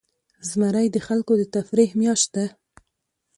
زمری د خلکو د تفریح میاشت ده.